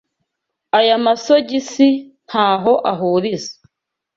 Aya masogisi ntaho ahurizoe.